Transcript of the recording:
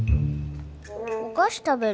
お菓子食べる。